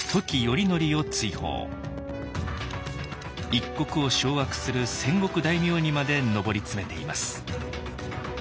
一国を掌握する戦国大名にまで上り詰めています。